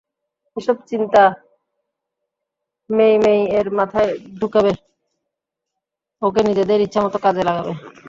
এসব চিন্তা মেই-মেইয়ের মাথায় ঢুকাবে, ওকে নিজেদের ইচ্ছামতো কাজে লাগাবে!